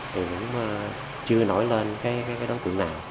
thì cũng chưa nổi lên cái đối tượng nào